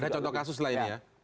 ada contoh kasus lainnya ya